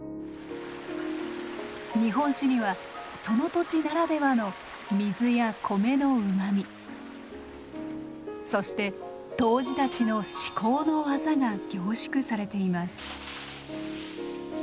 日本酒にはその土地ならではの水や米のうまみそして杜氏たちの至高の技が凝縮されています。